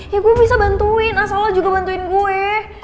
ya gue bisa bantuin asal lo juga bantuin gue